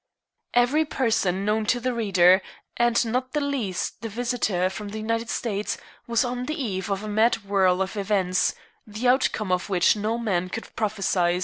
Every person known to the reader, and not the least the visitor from the United States, was on the eve of a mad whirl of events, the outcome of which no man could prophesy.